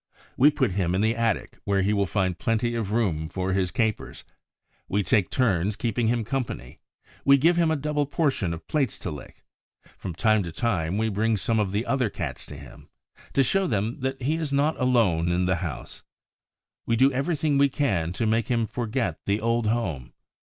We put him in the attic, where he will find plenty of room for his capers; we take turns keeping him company; we give him a double portion of plates to lick; from time to time we bring some of the other Cats to him, to show him that he is not alone in the house; we do everything we can to make him forget the old home.